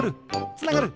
つながる！